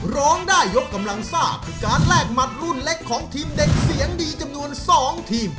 ร้องได้ยกกำลังซ่าคือการแลกหมัดรุ่นเล็กของทีมเด็กเสียงดีจำนวน๒ทีม